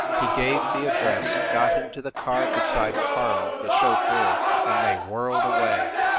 He gave the ad dress, got into the car beside Karl, the chauffeur, and they whirled away.